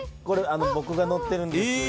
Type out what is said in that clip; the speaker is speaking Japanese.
これぼくがのってるんです。